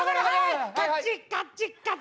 カチカチカチ。